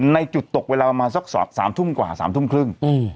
ในจุดตกเวลาประมาณสัก๓ทุ่มกว่า๓ทุ่มครึ่ง